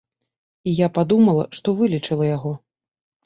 І я падумала, што вылечыла яго.